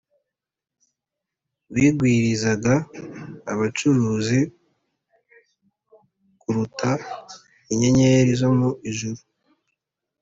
Wigwirizaga abacuruzi kuruta inyenyeri zo mu ijuru